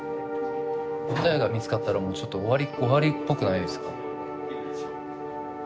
答えが見つかったらもうちょっと終わりっぽくないですか？